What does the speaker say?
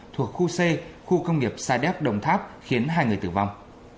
thuộc khu c khu công nghiệp saidep đồng tháp khiến hai người tử vong